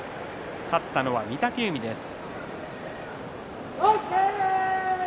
勝ったのは御嶽海です。